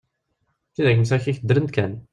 Tidak msakit ddrent kan.